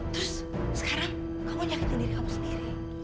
terus sekarang kamu nyakitin diri kamu sendiri